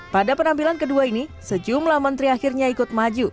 pada penampilan kedua ini sejumlah menteri akhirnya ikut maju